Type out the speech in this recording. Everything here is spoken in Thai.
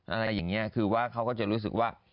อะไรอย่างนี้คือว่าเขาก็จะรู้สึกว่า